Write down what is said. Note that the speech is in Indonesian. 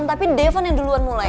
tapi devan yang duluan mulai